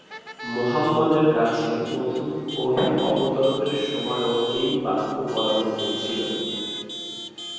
মুহাম্মদের কাছে প্রথম ওহী অবতরণের সময়ও এই বাক্য পড়ানো হয়েছিল।